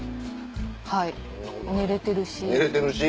はい寝れてるし。